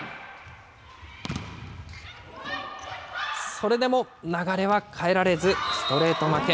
それでも流れは変えられず、ストレート負け。